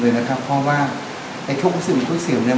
เลยนะครับพ่อว่าไอ้ทุกสิ่งทุกเสียวเนี้ย